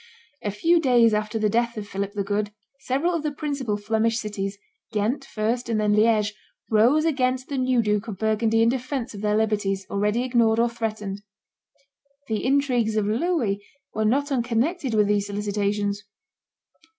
A few days after the death of Philip the Good, several of the principal Flemish cities, Ghent first and then Liege, rose against the new Duke of Burgundy in defence of their liberties, already ignored or threatened. The intrigues of Louis were not unconnected with these solicitations.